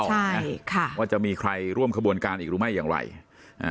ใช่ค่ะว่าจะมีใครร่วมขบวนการอีกหรือไม่อย่างไรอ่า